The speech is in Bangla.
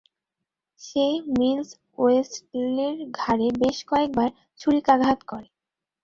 সে মিলস-ওয়েস্টলির ঘাড়ে বেশ কয়েকবার ছুরিকাঘাত করে।